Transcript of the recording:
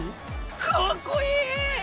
かっこいい！